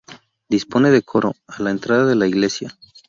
Dispone de coro a la entrada de la iglesia.